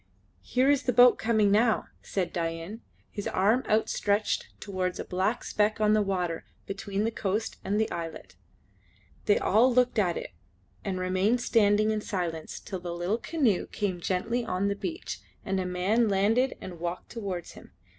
"Here is the boat coming now," said Dain, his arm outstretched towards a black speck on the water between the coast and the islet. They all looked at it and remained standing in silence till the little canoe came gently on the beach and a man landed and walked towards them.